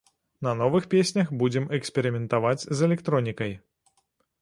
На новых песнях будзем эксперыментаваць з электронікай.